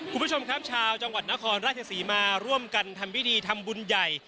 คุณผู้ชมครับชาวจังหวัดนครราชศรีมาร่วมกันทำพิธีทำบุญใหญ่